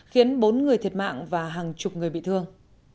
khiến bốn người thiệt mạng và hàng chục người bị thương